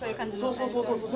そうそうそうそう。